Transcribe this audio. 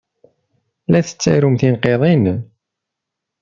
La tettarum tinqiḍin?